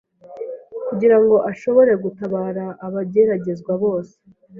kugira ngo ashobore gutabara abageragezwa bose.